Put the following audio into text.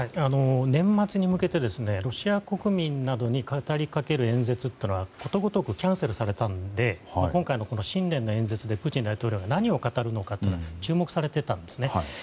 年末に向けてロシア国民などに語り掛ける演説というのはことごとくキャンセルされたので今回の新年の演説でプーチン大統領が何を語るのか注目されていたんですね。